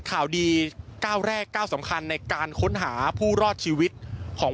ข่าวดีก้าวแรกก้าวสำคัญในการค้นหาผู้รอดชีวิตของ